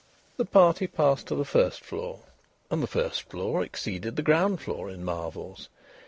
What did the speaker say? The party passed to the first floor. And the first floor exceeded the ground floor in marvels.